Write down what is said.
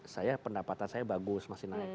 saya pendapatan saya bagus masih naik